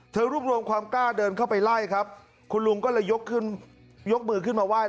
รวบรวมความกล้าเดินเข้าไปไล่ครับคุณลุงก็เลยยกขึ้นยกมือขึ้นมาไห้